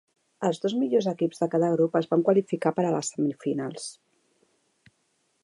Els dos millors equips de cada grup es van qualificar per a les semifinals.